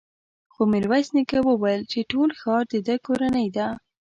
خو ميرويس نيکه وويل چې ټول ښار د ده کورنۍ ده.